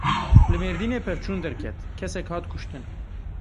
Li Mêrdînê pevçûn derket, kesek hat kuştin.